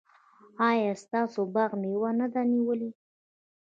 ایا ستاسو باغ مېوه نه ده نیولې؟